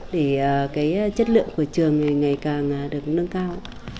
để cái chất lượng của trường thì ngày càng được nâng cao